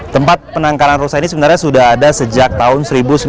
tempat penangkaran rusa ini sebenarnya sudah ada sejak tahun seribu sembilan ratus sembilan puluh